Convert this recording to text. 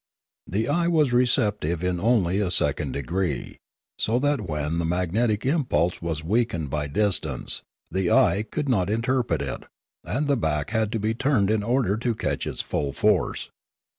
The eye was receptive in only a secondary degree, so that when the magnetic impulse was weakened by distance, the eye could not interpret it, and the back had to be turned in order to catch its full force.